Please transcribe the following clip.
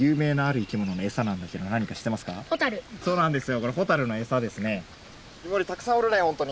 そうなんですよ。